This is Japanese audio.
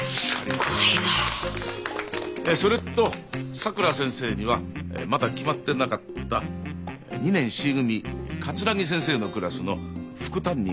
それとさくら先生にはまだ決まってなかった２年Ｃ組桂木先生のクラスの副担任をしてもらいます。